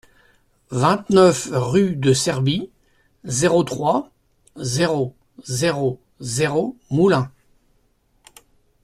vingt-neuf rue de Serbie, zéro trois, zéro zéro zéro, Moulins